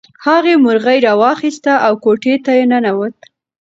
هغه مرغۍ راواخیسته او کوټې ته ننووت.